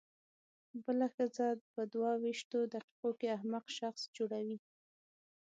بله ښځه په دوه وېشتو دقیقو کې احمق شخص جوړوي.